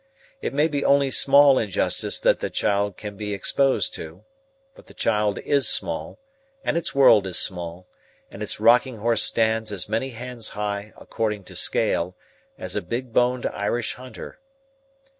It may be only small injustice that the child can be exposed to; but the child is small, and its world is small, and its rocking horse stands as many hands high, according to scale, as a big boned Irish hunter.